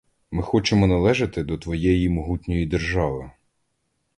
Ми хочемо належати до твоєї могутньої держави.